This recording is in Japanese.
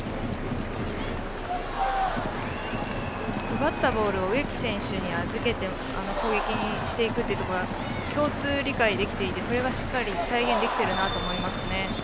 奪ったボールを植木選手に預けて攻撃にしていくというところは共通理解できていてそれがしっかり体現できているなと思います。